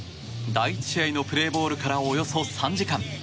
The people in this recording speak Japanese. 第１試合のプレーボールからおよそ３時間。